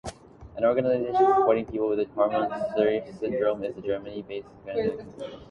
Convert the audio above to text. An organization supporting people with the Hallermann-Streiff syndrome is the Germany-based Schattenkinder e.V.